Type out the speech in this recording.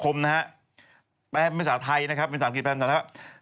ความคมนะฮะแปรงภาษาไทยนะครับภาษาอังกฤษแปรงภาษาไทยนะครับ